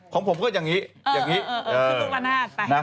ของผมก็อย่างนี้